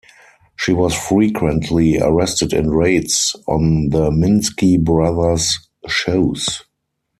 She was frequently arrested in raids on the Minsky brothers' shows.